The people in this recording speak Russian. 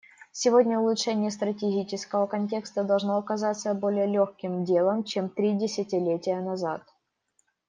Сегодня улучшение стратегического контекста должно оказаться более легким делом, чем три десятилетия назад.